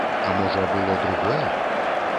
А можа, было другое?